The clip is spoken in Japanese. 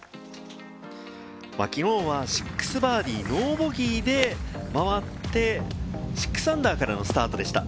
きのうは６バーディー、ノーボギーで回って、−６からのスタートでした。